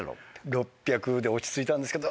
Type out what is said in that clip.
６００で落ち着いたんですけど。